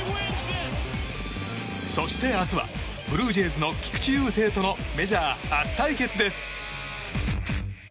そして、明日はブルージェイズの菊池雄星とのメジャー初対決です。